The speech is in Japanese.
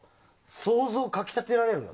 想像をかき立てられる。